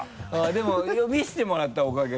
でも見せてもらったおかげで。